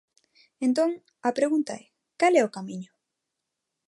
Entón, a pregunta é ¿cal é o camiño?